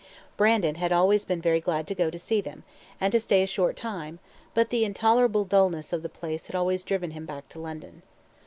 Brandon had always been very glad to go to see them, and to stay a short time, but the intolerable dullness of the place had always driven him back to London.